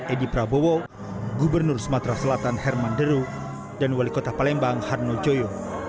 edi prabowo gubernur sumatera selatan herman deru dan wali kota palembang harno joyo